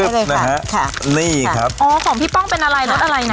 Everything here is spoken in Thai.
นะฮะค่ะนี่ครับอ๋อของพี่ป้องเป็นอะไรรสอะไรนะ